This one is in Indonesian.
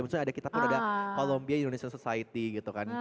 misalnya ada kita ada kolomia indonesia society gitu kan